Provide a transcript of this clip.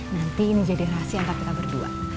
nanti ini jadi rahasia antar kita berdua